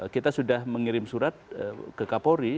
kita sudah mengirim surat ke kapolri